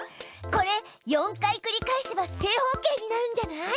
これ４回繰り返せば正方形になるんじゃない？